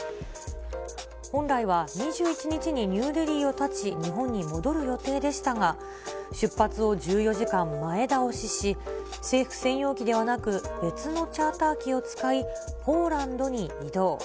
本来は２１日にニューデリーを経ち、日本に戻る予定でしたが、出発を１４時間前倒しし、政府専用機ではなく、別のチャーター機を使い、ポーランドに移動。